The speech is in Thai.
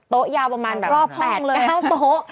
โต๊ะยาวประมาณแบบ๘๙โต๊ะ